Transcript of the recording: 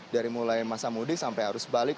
dari mulai masa muda sampai harus balik